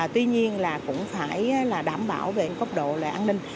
tuy nhiên cũng phải đảm bảo về cốc độ an ninh